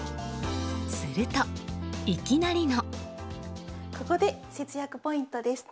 すると、いきなりの。